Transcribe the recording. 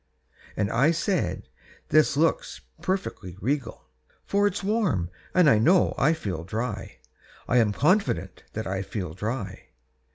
And I said: "This looks perfectly regal, For it's warm, and I know I feel dry, I am confident that I feel dry.